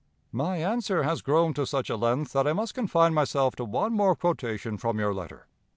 "My answer has grown to such a length, that I must confine myself to one more quotation from your letter.